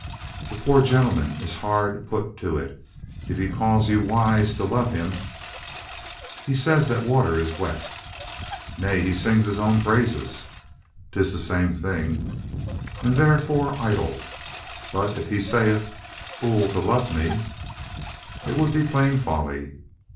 "The poor gentleman is hard put to it. If he calls you wise to love him —" "He says that water is wet" "Nay, he sings his own praises." " 'Tis the same thing." "And therefore idle. But if he saith, 'Fool to love me—' " "It would be plain folly."